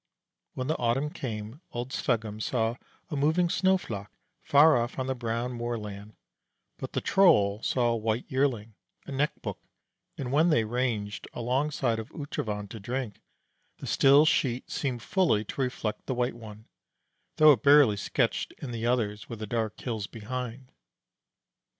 When the autumn came, old Sveggum saw a moving sno flack far off on the brown moor land; but the Troll saw a white yearling, a Nekbuk; and when they ranged alongside of Utrovand to drink, the still sheet seemed fully to reflect the White One, though it barely sketched in the others, with the dark hills behind.